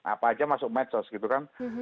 apa aja masuk medsos gitu kan